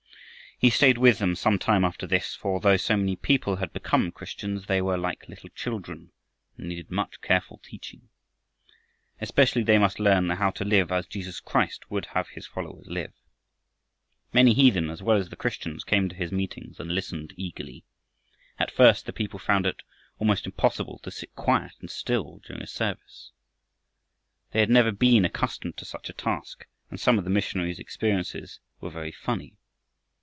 He stayed with them some time after this, for, though so many people had become Christians, they were like little children and needed much careful teaching. Especially they must learn how to live as Jesus Christ would have his followers live. Many heathen as well as the Christians came to his meetings and listened eagerly. At first the people found it almost impossible to sit quiet and still during a service. They had never been accustomed to such a task, and some of the missionary's experiences were very funny.